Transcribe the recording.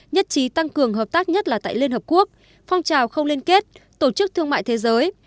nhất trí tăng cường hợp tác nhất là tại liên hợp quốc phong trào không liên kết tổ chức thương mại thế giới